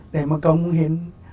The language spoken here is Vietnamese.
để mà cống hiến